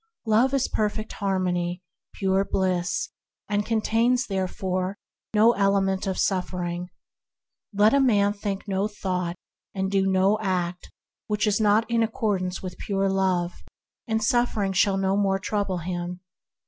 Love is Perfect Harmony, pure Bliss, and contains, no element of suffering. Let a man think no thought and do no act not in accordance with pure Love, and suffer PERFECT LOVE 131 ing shall no more trouble him.